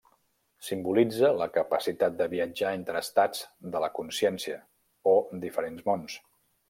Simbolitza la capacitat de viatjar entre estats de la consciència o diferents mons.